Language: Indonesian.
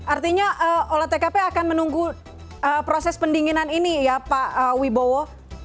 artinya olah tkp akan menunggu proses pendinginan ini ya pak wibowo